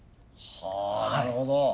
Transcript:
はなるほど。